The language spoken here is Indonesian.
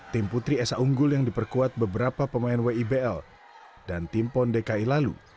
tim putri esa unggul yang diperkuat beberapa pemain wibl dan tim pon dki lalu